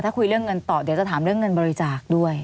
ถ้าคุยเรื่องเงินต่อเดี๋ยวจะถามเรื่องเงินบริจาคด้วย